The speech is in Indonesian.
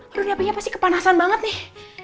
aduh apinya pasti kepanasan banget nih